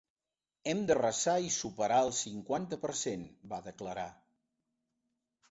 Hem d’arrasar i superar el cinquanta per cent, va declarar.